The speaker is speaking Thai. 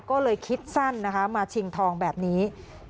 ก็เลยคิดสั้นนะคะมาชิงทองแบบนี้